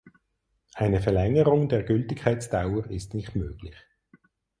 Eine Verlängerung der Gültigkeitsdauer ist nicht möglich.